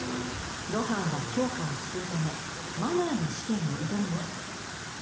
露伴は京香を救うため「マナー」の試験に挑みます。